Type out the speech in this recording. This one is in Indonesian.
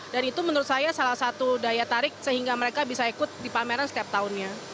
dan itu menurut saya salah satu daya tarik sehingga mereka bisa ikut di pameran setiap tahunnya